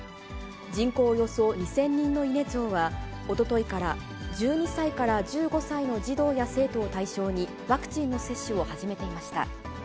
人口およそ２０００人の伊根町は、おとといから１２歳から１５歳の児童や生徒を対象に、ワクチンの接種を始めていました。